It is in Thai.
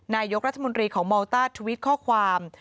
นายกรัฐมนตรีของมอลต้าทวิตข้อความ